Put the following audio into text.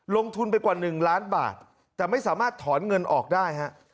ลงทุนไปกว่า๑ล้านบาทแต่ไม่สามารถถอนเงินออกได้ฮะ